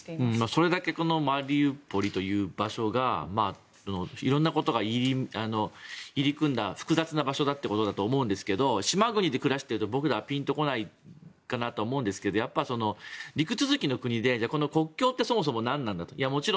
それだけマリウポリという場所が色んなことが入り組んだ複雑な場所だということだと思うんですが島国で暮らしていると僕らはピンと来ないかなと思いますがやっぱり陸続きの国で国境ってそもそも何なんだと。